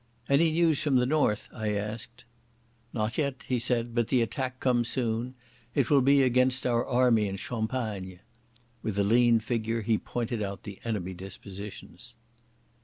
"Any news from the north?" I asked. "Not yet," he said. "But the attack comes soon. It will be against our army in Champagne." With a lean finger he pointed out the enemy dispositions.